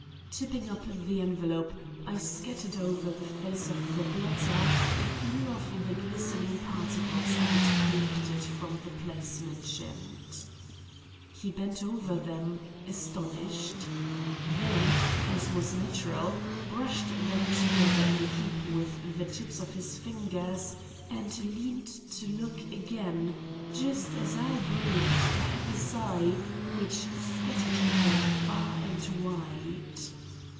Tipping up the envelope, I scattered over the face of the blotter a few of the glistening particles I had collected from the place mentioned. He bent over them, astonished. Then, as was natural, brushed them together in a heap with the tips of his fingers, and leaned to look again, just as I breathed a heavy sigh which scattered them far and wide.